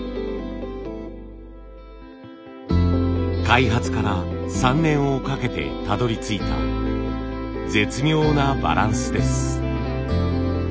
開発から３年をかけてたどりついた絶妙なバランスです。